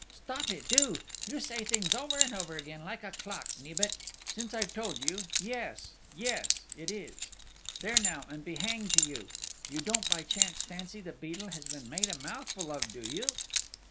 "Stop it, do! You say things over and over again, like a clock, Nibet!... Since I've told you yes yes it is there now, and be hanged to you!... You don't by chance fancy the Beadle has been made a mouthful of, do you?"